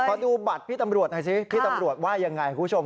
ขอดูบัตรพี่ตำรวจหน่อยสิพี่ตำรวจว่ายังไงคุณผู้ชม